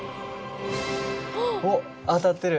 おっ当たってる。